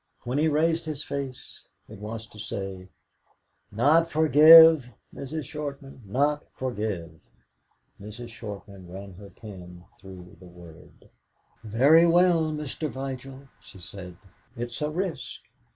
When he raised his face it was to say: "Not 'forgive,' Mrs. Shortman, not 'forgive'." Mrs. Shortman ran her pen through the word. "Very well, Mr. Vigil," she said; "it's a risk."